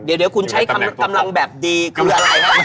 เดี๋ยวคุณใช้คำกำลังแบบดีคืออะไรครับ